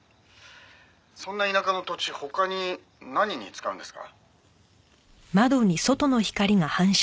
「そんな田舎の土地他に何に使うんですか？」